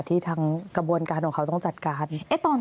ที่ทางกระบวนการของเขาต้องจัดการ